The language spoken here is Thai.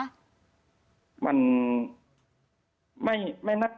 ของบ้านแถวนั้นมีอยู่บ้างไหมคะ